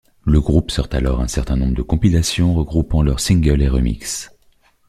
Le groupe sort alors un certain nombre de compilations regroupant leurs singles et remixes.